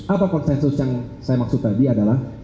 apa konsensus yang saya maksud tadi adalah